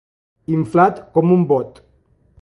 Inflat com un bot.